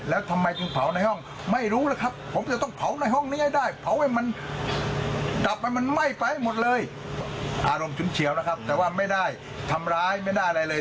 อารมณ์ชุ้นเฉียวนะครับแต่ว่าไม่ได้ทำร้ายไม่ได้อะไรเลย